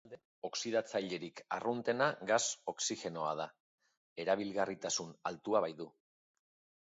Bestalde, oxidatzailerik arruntena gas-oxigenoa da, erabilgarritasun altua baitu.